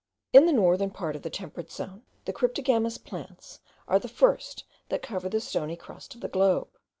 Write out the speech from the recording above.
In the northern part of the temperate zone, the cryptogamous plants are the first that cover the stony crust of the globe.